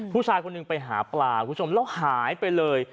ผู้ชายคนหนึ่งไปหาปลาคุณผู้ชมแล้วหายไปเลย